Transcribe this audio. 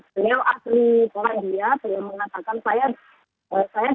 tapi saya selalu menerangkan dan mendoakan